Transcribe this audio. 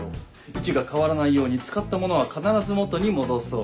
「位置が変わらないように使ったものは必ず元に戻そう」。